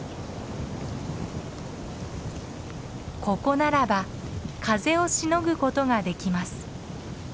ここならば風をしのぐことができます。